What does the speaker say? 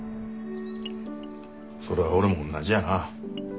それは俺もおんなじやな。